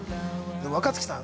若槻さん